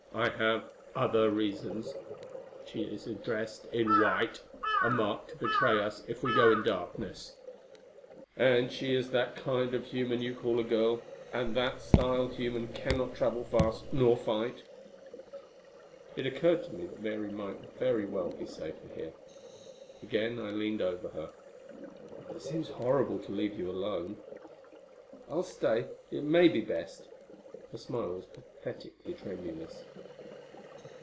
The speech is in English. I have other reasons. She is dressed in white a mark to betray us if we go in darkness. And she is that kind of a human you call a girl and that style human cannot travel fast, nor fight." It occurred to me that Mary might very well be safer here. Again I leaned over her. "It seems horrible to leave you alone." "I'll stay. It may be best." Her smile was pathetically tremulous.